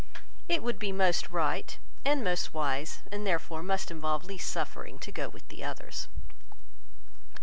It would be most right, and most wise, and, therefore must involve least suffering to go with the others.